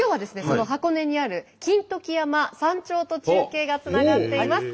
その箱根にある金時山山頂と中継がつながっています。